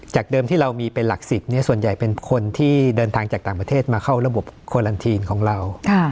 เดิมที่เรามีเป็นหลัก๑๐ส่วนใหญ่เป็นคนที่เดินทางจากต่างประเทศมาเข้าระบบคอลันทีนของเรา